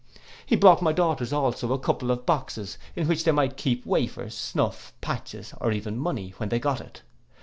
He brought my daughters also a couple of boxes, in which they might keep wafers, snuff, patches, or even money, when they got it.